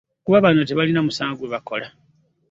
Kuba bano tebalina musango gwe baakola